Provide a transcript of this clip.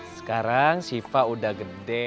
sekarang shiva udah gede